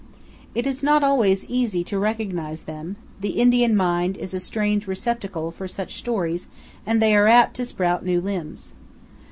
It is not always easy to recognize them; the Indian mind is a strange receptacle for such stories and they are apt to sprout new limbs.